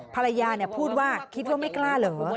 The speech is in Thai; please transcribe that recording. พูดว่าคิดว่าไม่กล้าเหรอ